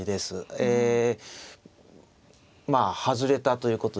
ええまあ外れたということですね。